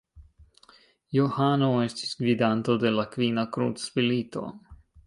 Johano estis gvidanto de la Kvina Krucmilito.